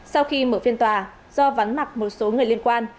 sau khi mở phiên tòa do vắn mặc một số người liên quan